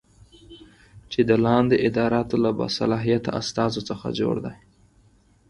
چې د لاندې اداراتو له باصلاحیته استازو څخه جوړه دی